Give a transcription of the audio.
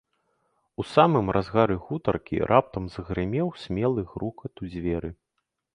У самым разгары гутаркі раптам загрымеў смелы грукат у дзверы.